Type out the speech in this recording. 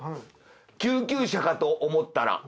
「救急車かと思ったら」